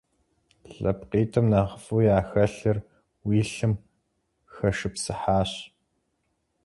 ЛъэпкъитӀым нэхъыфӀу яхэлъыр уи лъым хэшыпсыхьащ.